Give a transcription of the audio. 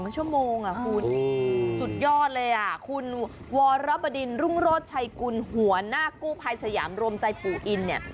ชั่วโมงคุณสุดยอดเลยคุณวรบดินรุ่งโรธชัยกุลหัวหน้ากู้ภัยสยามรวมใจปู่อินเนี่ย